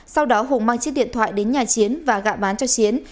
sau đó hùng mang chiếc điện thoại đến nhà chiến và gạ bán cho chiến